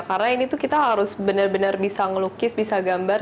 karena ini tuh kita harus benar benar bisa melukis bisa gambar